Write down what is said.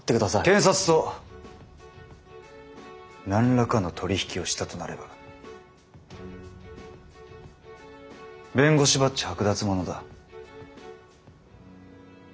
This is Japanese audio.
検察と何らかの取り引きをしたとなれば弁護士バッチ剥奪ものだ。